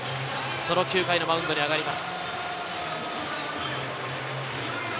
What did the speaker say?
９回のマウンドに上がります。